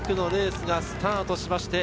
２区のレースがスタートしました